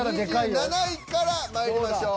２７位からまいりましょう。